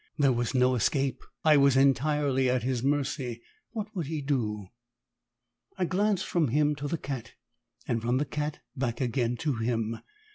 There was no escape! I was entirely at his mercy. What would he do? I glanced from him to the cat, and from the cat back again to him.